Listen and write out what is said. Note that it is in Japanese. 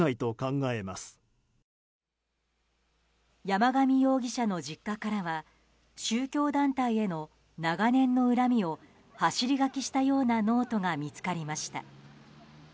山上容疑者の実家からは宗教団体への長年の恨みを走り書きしたようなノートが見つかりました。